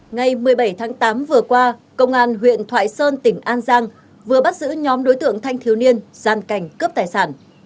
ngày một mươi bảy tháng tám vừa qua công an huyện thoại sơn tỉnh an giang vừa bắt giữ nhóm đối tượng thanh thiếu niên gian cảnh cướp tài sản